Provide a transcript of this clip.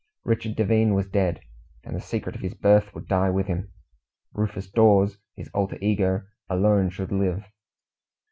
Richard Devine was dead, and the secret of his birth would die with him. Rufus Dawes, his alter ego, alone should live.